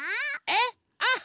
えっ？